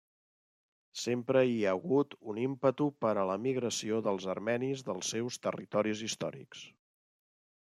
Sempre hi ha hagut un ímpetu per a l'emigració dels armenis dels seus territoris històrics.